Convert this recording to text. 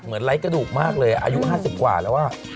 เหมือนไร้กระดูกมากอยู่อายุ๕๐กว่าแล้วว่ะ